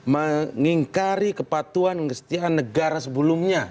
mengingkari kepatuan dan kesetiaan negara sebelumnya